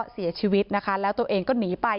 เสียชีวิตนะคะแล้วตัวเองก็หนีไป